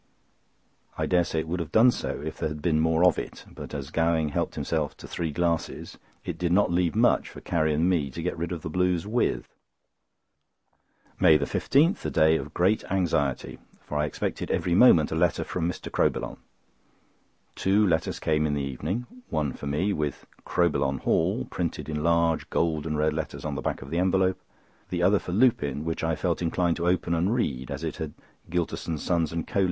I dare say it would have done so if there had been more of it; but as Gowing helped himself to three glasses, it did not leave much for Carrie and me to get rid of the blues with. MAY 15.—A day of great anxiety, for I expected every moment a letter from Mr. Crowbillon. Two letters came in the evening—one for me, with "Crowbillon Hall" printed in large gold and red letters on the back of the envelope; the other for Lupin, which I felt inclined to open and read, as it had "Gylterson, Sons, and Co.